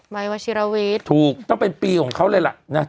ไบร์ทวัชิรวิตถูกต้องเป็นปีของเขาเลยล่ะน่ะ